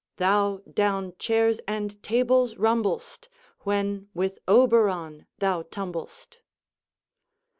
Thou down chairs and tables rumbl'st, When with Oberon tiiou tumbl'st.